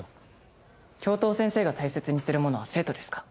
教頭先生が大切にしているものは生徒ですか？